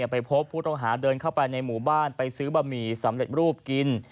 ไปพบผู้ต้องหาเดินเข้าไปในหมู่บ้านไปซื้อบะหมี่สำเร็จรูปกิน